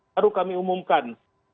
lalu kami umumkan